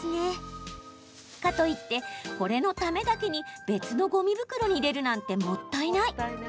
かといって、これのためだけに別のごみ袋に入れるなんてもったいない。